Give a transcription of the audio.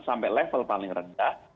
sampai level paling rendah